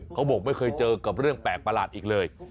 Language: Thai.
เขาบอกไม่เคยเจอกับเรื่องแปลกประหลาดอีกเลย